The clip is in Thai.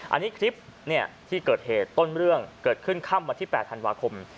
อันนี้คลิปที่เกิดเหตุต้นเรื่องเกิดขึ้นค่ำวันที่๘ธันวาคม